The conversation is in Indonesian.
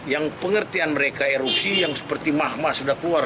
yang pengertian mereka erupsi yang seperti mahmah sudah keluar